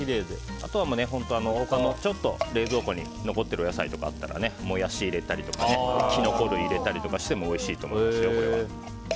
あとは、ちょっと冷蔵庫に残っているお野菜とかあったらモヤシを入れたりとかキノコ類入れたりしてもおいしいと思いますよ。